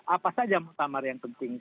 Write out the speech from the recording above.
apa saja yang penting